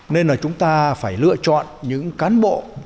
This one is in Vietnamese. nên là chúng ta phải lựa chọn những cán bộ